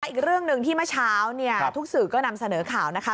อีกเรื่องหนึ่งที่เมื่อเช้าเนี่ยทุกสื่อก็นำเสนอข่าวนะคะ